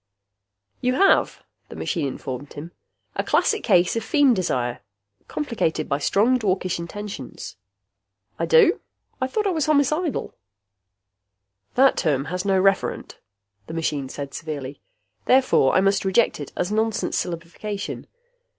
"You have," the machine informed him, "a classic case of feem desire, complicated by strong dwarkish intentions." "I do? I thought I was homicidal." "That term has no referent," the machine said severely. "Therefore I must reject it as nonsense syllabification.